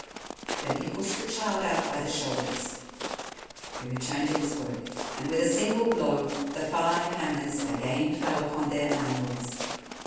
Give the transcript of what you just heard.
Then he pushed the child out by the shoulders. He returned to his work and with a single blow the five hammers again fell upon their anvils.